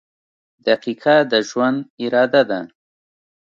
• دقیقه د ژوند اراده ده.